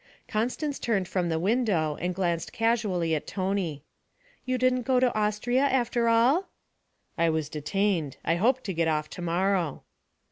Constance turned from the window and glanced casually at Tony. 'You didn't go to Austria after all?' 'I was detained; I hope to get off to morrow.'